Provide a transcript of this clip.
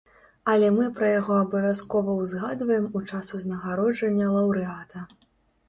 Але мы пра яго абавязкова ўзгадваем у час узнагароджання лаўрэата.